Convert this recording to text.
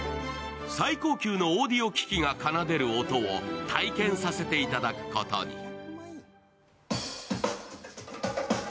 最高級のオーディオ機器が奏でる音を体験させていただくことに。